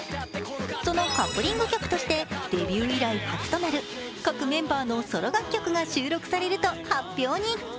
そのカップリング曲としてデビュー以来初となる各メンバーのソロ楽曲が収録されると発表に。